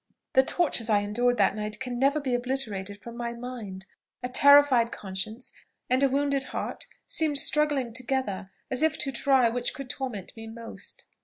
The tortures I endured that night can never be obliterated from my mind; a terrified conscience and a wounded heart seemed struggling together, as if to try which could torment me most.